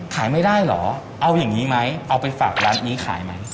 ขายไม่ได้เหรอเอาอย่างนี้ไหมเอาไปฝากร้านนี้ขายไหม